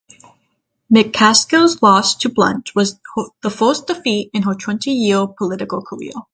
McCaskill's loss to Blunt was the first defeat in her twenty-year political career.